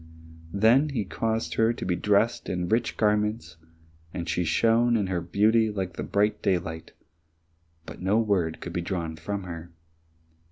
Then he caused her to be dressed in rich garments, and she shone in her beauty like bright daylight, but no word could be drawn from her.